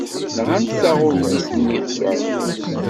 Nɣant taɣulit-nni s uɛekkaz.